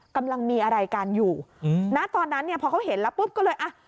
กำลังมีอะไรกันอยู่อืมณตอนนั้นเนี่ยพอเขาเห็นแล้วปุ๊บก็เลยอ่ะ